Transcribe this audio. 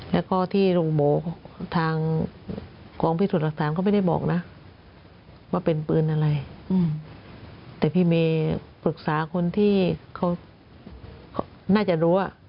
แต่พี่ดีมีปรึกษาคนที่เค้าน่าจะรู้